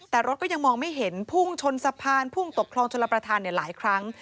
แต่รถก็ยังมองไม่เห็นพุ่งชนสะพานพุ่งตกคลองชลประธานหลายครั้ง